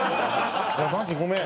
マジごめん。